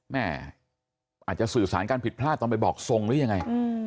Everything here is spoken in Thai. แม่อาจจะสื่อสารการผิดพลาดตอนไปบอกทรงหรือยังไง